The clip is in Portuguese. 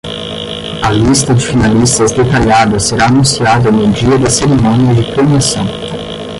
A lista de finalistas detalhada será anunciada no dia da cerimônia de premiação.